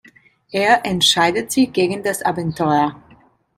Er entscheidet sich gegen das Abenteuer.